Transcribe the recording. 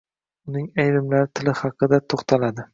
Uning ayrimlari tili haqida to‘xtaladi.